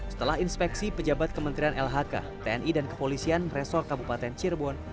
setelah inspeksi pejabat kementerian lhk tni dan kepolisian resor kabupaten cirebon